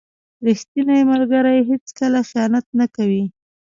• ریښتینی ملګری هیڅکله خیانت نه کوي.